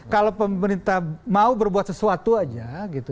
kalau pemerintah mau berbuat sesuatu saja